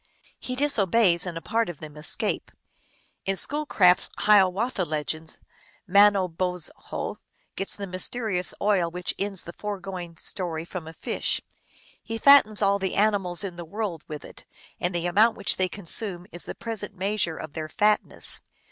He disobeys, and a part of them escape. In Schoolcraft s Hiawatha Legends, Mano bozho gets the mysterious oil which ends the fore going story from a fish. He fattens all the animals in the world with it, and the amount which they con sume is the present measure of their fatness.